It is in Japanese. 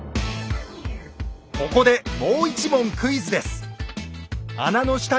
ここでもう一問クイズです。